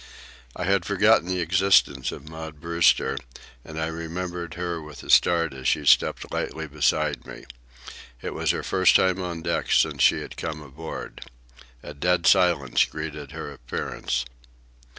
I had forgotten the existence of Maud Brewster, and I remembered her with a start as she stepped lightly beside me. It was her first time on deck since she had come aboard. A dead silence greeted her appearance.